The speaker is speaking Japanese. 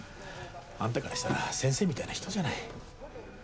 あんたからしたら先生みたいな人じゃない。